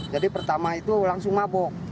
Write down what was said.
jadi pertama itu langsung mabuk